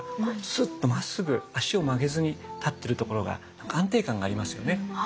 スッとまっすぐ足を曲げずに立ってるところが安定感がありますよね。